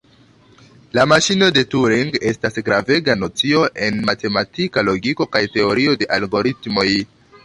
La maŝino de Turing estas gravega nocio en matematika logiko kaj teorio de algoritmoj.